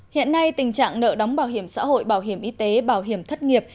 hiện nay tình trạng nợ đóng bảo hiểm xã hội bảo hiểm y tế bảo hiểm thất nghiệp